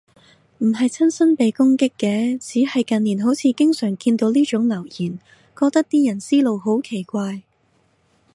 唔係親身被攻擊嘅，只係近年好似經常見到呢種留言，覺得啲人思路好奇怪